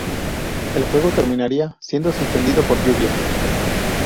El juego terminaría siendo suspendido por lluvia.